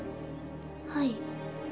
はい。